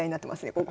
ここ。